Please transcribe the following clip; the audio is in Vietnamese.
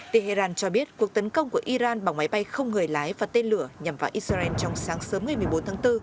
tehran cho biết cuộc tấn công của iran bằng máy bay không người lái và tên lửa nhằm vào israel trong sáng sớm ngày một mươi bốn tháng bốn